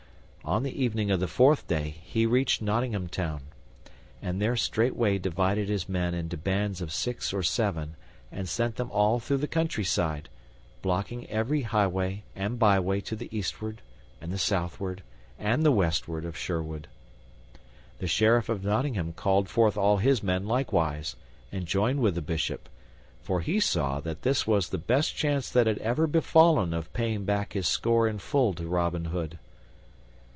On the evening of the fourth day he reached Nottingham Town, and there straightway divided his men into bands of six or seven, and sent them all through the countryside, blocking every highway and byway to the eastward and the southward and the westward of Sherwood. The Sheriff of Nottingham called forth all his men likewise, and joined with the Bishop, for he saw that this was the best chance that had ever befallen of paying back his score in full to Robin Hood.